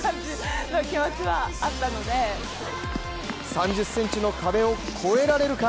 ３０ｃｍの壁を越えられるか？